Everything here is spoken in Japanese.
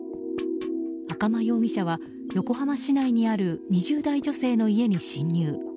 赤間容疑者は横浜市内にある２０代女性の家に侵入。